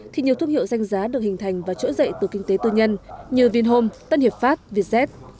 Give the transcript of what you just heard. thì nhiều thương hiệu danh giá được hình thành và trỗi dậy từ kinh tế tư nhân như vinhome tân hiệp pháp vietjet